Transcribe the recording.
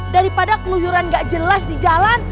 daripada keluyuran gak jelas di jalan